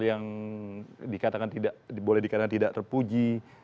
yang boleh dikatakan tidak terpuji